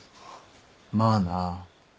まあな。